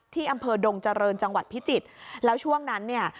ที่อำเภอดงเจริญจังหวัดพิจิตรแล้วช่วงนั้นเนี่ย